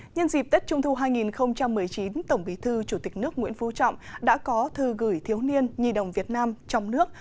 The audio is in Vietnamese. nhân dịp tết trung thu hai nghìn một mươi chín tổng bí thư chủ tịch nước nguyễn phú trọng đã có thư gửi thiếu niên nhi đồng việt nam trong nước